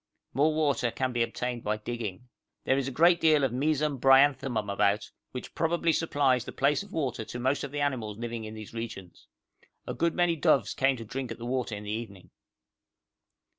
More water can be obtained by digging. There is a great deal of Mesembryanthemum about, which probably supplies the place of water to most of the animals living in these regions. A good many doves came to drink at the water in the evening.